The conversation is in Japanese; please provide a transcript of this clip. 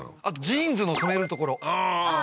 あとジーンズの染めるところああー